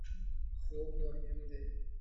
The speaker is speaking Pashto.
خوب مهم دی